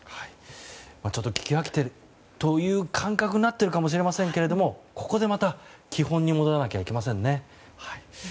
聞き飽きているという感覚になってるかもしれませんがここでまた基本に戻らないといけませんね。